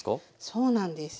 そうなんです。